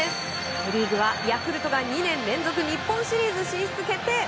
セ・リーグはヤクルトが日本シリーズ進出決定！